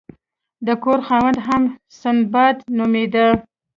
د کور خاوند هم سنباد نومیده.